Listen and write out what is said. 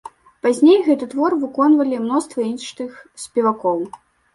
Пазней гэты твор выконвалі мноства іншых спевакоў.